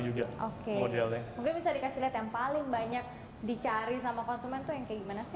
mungkin bisa dikasih lihat yang paling banyak dicari sama konsumen itu yang gimana